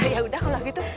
ya udah kalau gitu